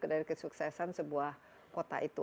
dari kesuksesan sebuah kota itu